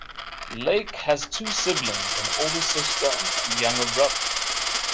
Laich has two siblings, an older sister and younger brother.